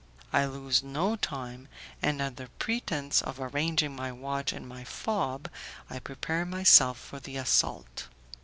I lose no time, and under pretence of arranging my watch in my fob, I prepare myself for the assault.